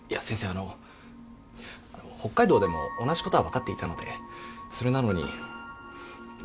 あの北海道でも同じことは分かっていたのでそれなのに僕がどうしてもと思って。